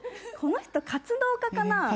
この人活動家かな？